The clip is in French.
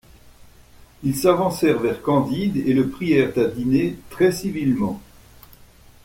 Ils s’avancèrent vers Candide et le prièrent à dîner très civilement.